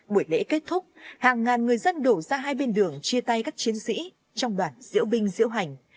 buổi lễ kết thúc hàng ngàn người dân đổ ra hai bên đường chia tay các chiến sĩ trong đoàn diễu binh diễu hành